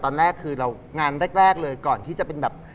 ตอนนั้นเรางานแรกก่อนที่จะเป็นแบบ